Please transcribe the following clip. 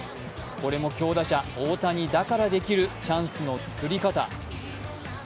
これも強打者・大谷だからできるチャンスの作り方。